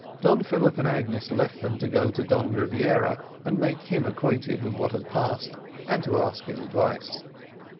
Don Philip and Agnes left them, to go to Don Rebiera, and make him acquainted with what had passed, and to ask his advice.